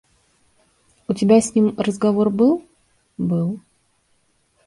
У тебя с ним разговор был? – Был.